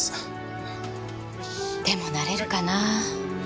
でもなれるかなぁ？